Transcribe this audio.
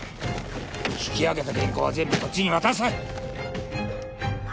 引き上げた原稿は全部そっちに渡す。